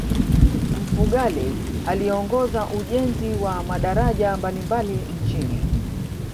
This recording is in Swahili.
mfugale aliongoza ujenzi wa madaraja mbalimbali nchini